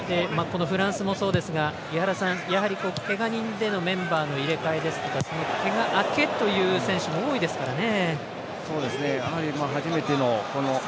このフランスもそうですがけが人でのメンバーの入れ替えですとかけが明けという選手も多いですからね。